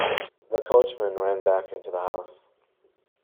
The coachman ran back into the house.